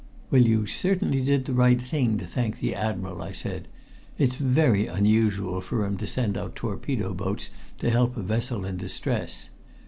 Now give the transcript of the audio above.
"Well, you certainly did the right thing to thank the Admiral," I said. "It's very unusual for him to send out torpedo boats to help a vessel in distress.